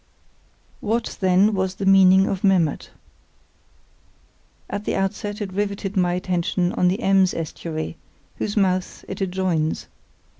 What, then, was the meaning of Memmert? At the outset it riveted my attention on the Ems estuary, whose mouth it adjoins.